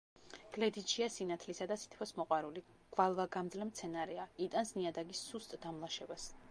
გლედიჩია სინათლისა და სითბოს მოყვარული, გვალვაგამძლე მცენარეა; იტანს ნიადაგის სუსტ დამლაშებას.